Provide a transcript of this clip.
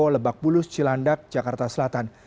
lebak bulus cilandak jakarta selatan